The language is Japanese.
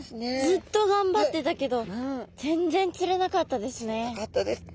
ずっとがんばってたけど全然釣れなかったですね。